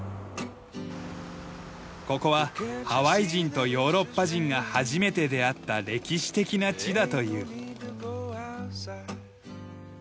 ここはハワイ人とヨーロッパ人が初めて出会った歴史的な地だという。